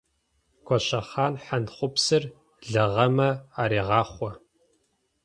Гощэхъан хьантхъупсыр лагъэмэ арегъахъо.